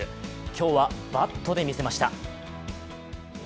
今日はバットで見せました。